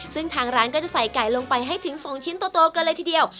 ซึ่งทางร้านก็จะใส่ไก่ลงไปให้ถึง๒ชิ้นโตกันเลยทีเดียว